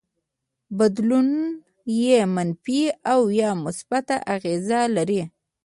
بدلون يې منفي او يا مثبت اغېز لري.